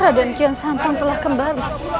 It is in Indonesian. raden kian santun telah kembali